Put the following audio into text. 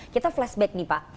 kita flashback nih pak